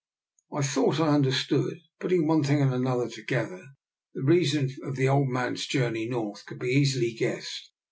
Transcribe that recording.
I thought I understood. Putting one thing and another together, the reason of the old man's journey North could be easily guessed.